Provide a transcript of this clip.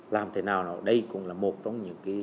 làm thế nào nào đây cũng là một trong những